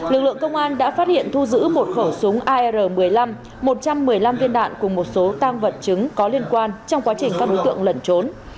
lực lượng công an đã phát hiện thu giữ một khẩu súng ar một mươi năm một trăm một mươi năm viên đạn cùng một số tăng vật chứng có liên quan trong quá trình các đối tượng lẩn trốn